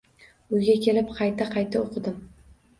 Uyga kelib qayta-qayta o`qidim